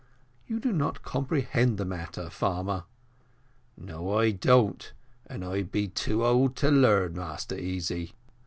"You do not comprehend the matter, farmer." "No, I don't and I be too old to learn, Master Easy.